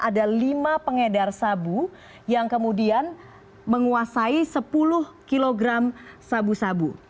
ada lima pengedar sabu yang kemudian menguasai sepuluh kg sabu sabu